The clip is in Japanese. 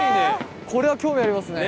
これは興味ありますね。